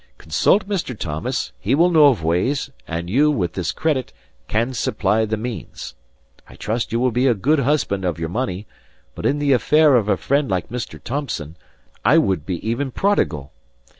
Consult Mr. Thomson, he will know of ways; and you, with this credit, can supply the means. I trust you will be a good husband of your money; but in the affair of a friend like Mr. Thomson, I would be even prodigal.